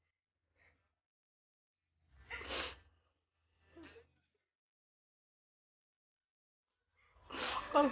terima kasih ya allah